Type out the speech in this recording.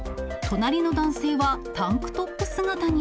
隣の男性はタンクトップ姿に。